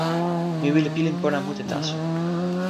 mi wile pilin pona mute taso.